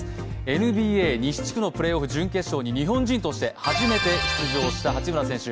ＮＢＡ西地区のプレーオフ準決勝に日本人として初めて出場した八村選手。